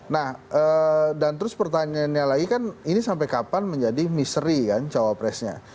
nah dan terus pertanyaannya lagi kan ini sampai kapan menjadi misery kan cowok presnya